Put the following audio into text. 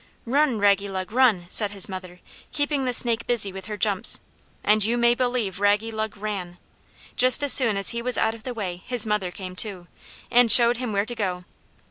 "Run, Raggylug, run!" said his mother, keeping the snake busy with her jumps; and you may believe Raggylug ran! Just as soon as he was out of the way his mother came too, and showed him where to go.